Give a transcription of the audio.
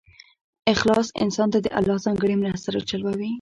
اخلاص انسان ته د الله ځانګړې مرسته راجلبوي.